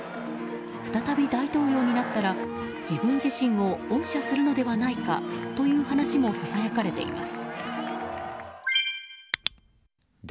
再び大統領になったら自分自身を恩赦するのではないかという話もささやかれています。